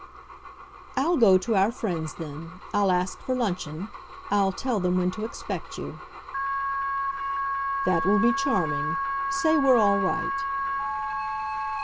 "I'll go to our friends then I'll ask for luncheon. I'll tell them when to expect you." "That will be charming. Say we're all right."